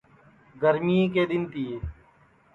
گرمئیں کے دِؔن تِیے